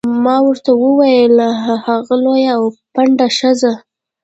ما ورته وویل: هغه لویه او پنډه ښځه.